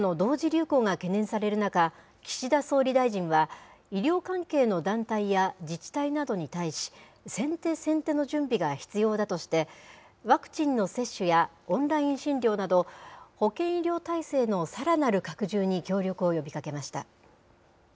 流行が懸念される中、岸田総理大臣は、医療関係の団体や自治体などに対し、先手先手の準備が必要だとして、ワクチンの接種やオンライン診療など、保健医療体制のさらなる拡充に協力を呼びかけました。